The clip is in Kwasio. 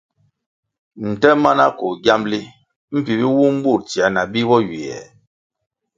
Nte mana koh giamli mbpi bi wum bur tsier na bi bo ywiè.